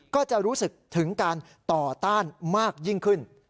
ก็จะรู้สึกถึงการต่อต้านมากยิ่งขึ้น